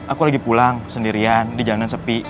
aku lagi pulang sendirian di jalanan sepi